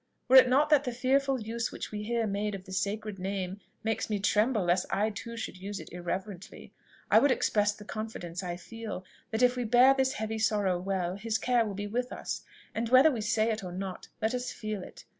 Were it not that the fearful use which we hear made of the sacred name makes me tremble lest I too should use it irreverently, I would express the confidence I feel, that if we bear this heavy sorrow well, his care will be with us: and whether we say it or not, let us feel it.